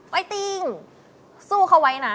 ไอ้ติ้งสู้เขาไว้นะ